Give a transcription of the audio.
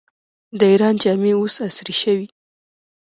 د ایران جامې اوس عصري شوي.